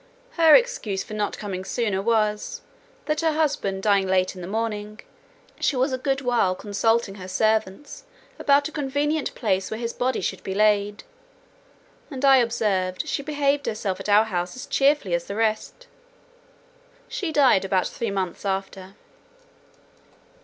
Her excuse for not coming sooner, was, that her husband dying late in the morning, she was a good while consulting her servants about a convenient place where his body should be laid; and I observed, she behaved herself at our house as cheerfully as the rest. She died about three months after.